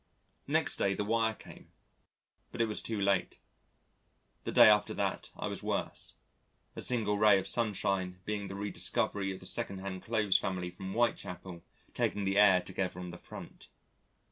Next day the wire came. But it was too late. The day after that, I was worse, a single ray of sunshine being the rediscovery of the second hand clothes family from Whitechapel taking the air together on the front.